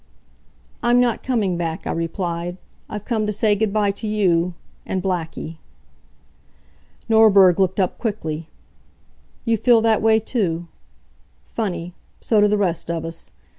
"I'm not coming back," I replied. "I've come to say good by to you and Blackie." Norberg looked up quickly. "You feel that way, too? Funny. So do the rest of us.